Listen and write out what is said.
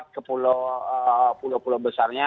ke pulau pulau besarnya